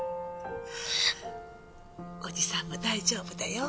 おじさんも大丈夫だよ。